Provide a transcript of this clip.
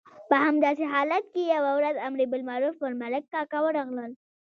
په همداسې حالت کې یوه ورځ امر بالمعروف پر ملک کاکا ورغلل.